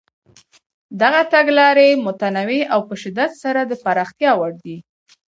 دغه تګلارې متنوع او په شدت سره د پراختیا وړ دي.